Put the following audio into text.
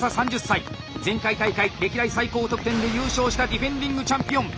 前回大会歴代最高得点で優勝したディフェンディングチャンピオン。